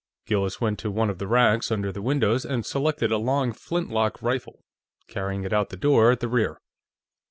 Gillis went to one of the racks under the windows and selected a long flintlock rifle, carrying it out the door at the rear.